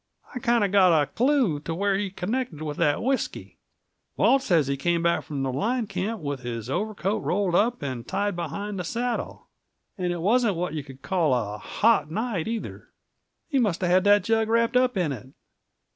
I kinda got a clue to where he connected with that whisky. Walt says he come back from the line camp with his overcoat rolled up and tied behind the saddle and it wasn't what you could call a hot night, either. He musta had that jug wrapped up in it.